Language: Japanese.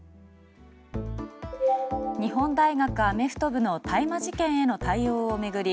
日本大学アメフト部の大麻事件への対応を巡り